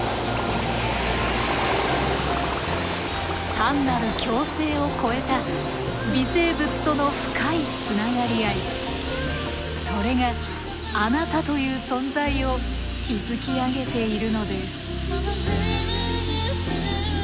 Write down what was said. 単なる共生を超えた微生物との深いつながり合いそれがあなたという存在を築き上げているのです。